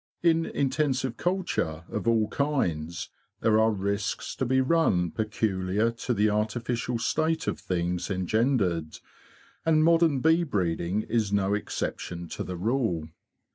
In intensive culture of all kinds there are risks to be run peculiar to the artificial state of things engendered, and modern bee breeding is no exception to the rule.